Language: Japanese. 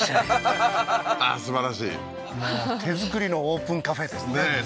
すばらしい手作りのオープンカフェですねねえ